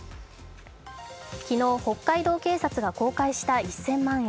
昨日、北海道警察が公開した１０００万円。